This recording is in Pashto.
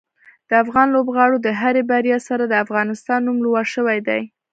د افغان لوبغاړو د هرې بریا سره د افغانستان نوم لوړ شوی دی.